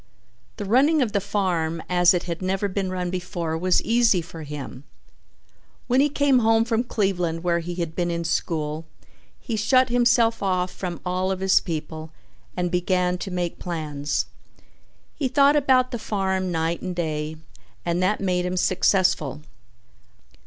The running of the farm as it had never been run before was easy for him. When he came home from Cleveland where he had been in school, he shut himself off from all of his people and began to make plans. He thought about the farm night and day and that made him successful.